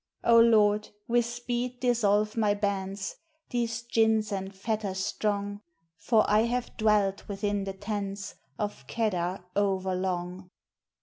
O Lord, with speed dissolve my bands, These gins and fetters strong; For I have dwelt within the tents Of Kedar over long.